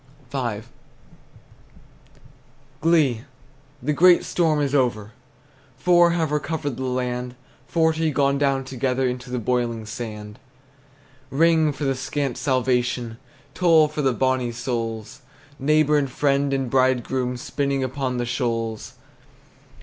V. Glee! The great storm is over! Four have recovered the land; Forty gone down together Into the boiling sand. Ring, for the scant salvation! Toll, for the bonnie souls, Neighbor and friend and bridegroom, Spinning upon the shoals!